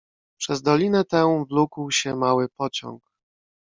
"Przez dolinę tę wlókł się mały pociąg."